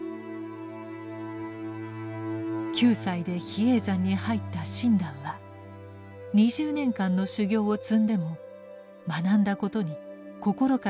９歳で比叡山に入った親鸞は２０年間の修行を積んでも学んだことに心から納得することはできませんでした。